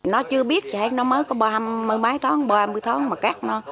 nó chưa biết nó mới có bờ hai mươi tháng bờ hai mươi tháng